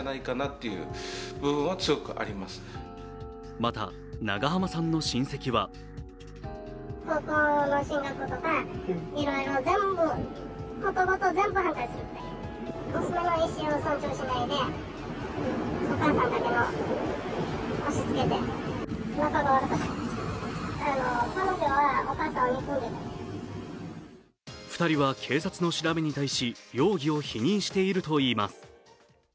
また、長濱さんの親戚は２人は警察の調べに対し容疑を否認しているといいます。